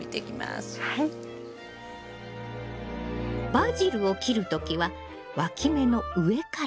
バジルを切る時はわき芽の上から。